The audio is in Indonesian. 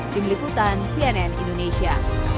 dibeliputan cnn indonesia